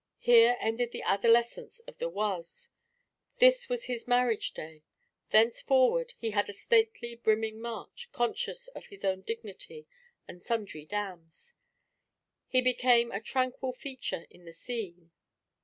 Here ended the adolescence of the Oise; this was his marriage day; thenceforward he had a stately, brimming march, conscious of his own dignity and sundry dams. He became a tranquil feature in the scene.